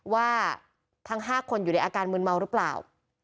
ว่าทั้ง๕คนอยู่ในอาการมืนเมาหรือเปล่า